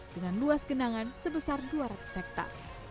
dengan luas genangan sebesar dua ratus hektare